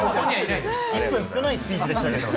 １分少ないスピーチでしたけど。